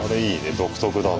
独特だね。